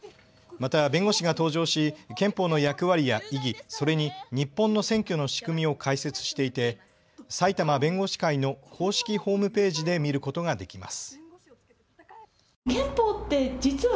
また弁護士が登場し憲法の役割や意義、それに日本の選挙の仕組みを解説していて埼玉弁護士会の公式ホームページで見ることができます。